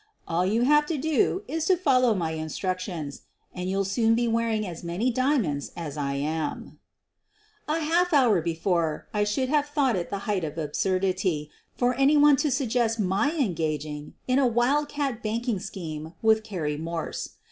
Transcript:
All you have to do is to follow my instructions — and you'll soon be wearing as many diamonds as lam." 92 SOPHIE LYONS A half hour before I should have thought it the height of absurdity for any one to suggest my en gaging in a wild cat banking scheme with Carrie Morse.